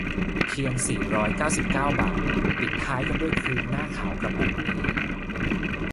เพียง สี่ร้อยเก้าสิบเก้า บาท ปิดท้ายกันด้วยครีมหน้าขาวกระปุกนี้